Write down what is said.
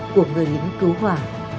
của người những cứu hỏa